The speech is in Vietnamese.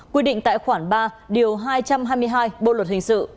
quy định tại khoản ba điều hai trăm hai mươi hai bộ luật hình sự